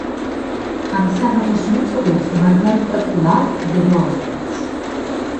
ამ საღამოს მიწურულს მარგარიტა კვლავ ხვდება ოსტატს.